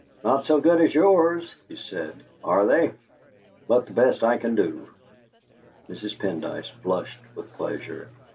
"Not so good as yours," he said, "are they? but the best I can do." Mrs. Pendyce blushed with pleasure.